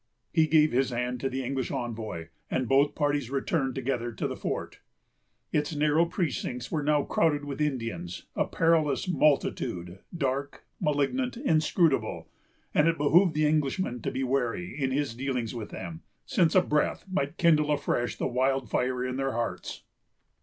He gave his hand to the English envoy, and both parties returned together to the fort. Its narrow precincts were now crowded with Indians, a perilous multitude, dark, malignant, inscrutable; and it behooved the Englishman to be wary, in his dealings with them, since a breath might kindle afresh the wildfire in their hearts.